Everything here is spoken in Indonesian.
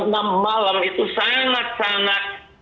jam enam malam itu sangat sangat